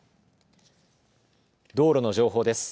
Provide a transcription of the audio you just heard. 道路の情報です。